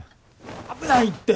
危ないって。